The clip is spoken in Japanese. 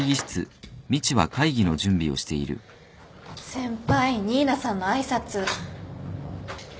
先輩新名さんの挨拶。